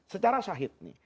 secara syahid nih